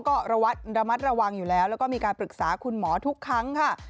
ก็ระมัดระวังอยู่แล้วแล้วก็มีการปรึกษาคุณหมอทุกครั้งค่ะ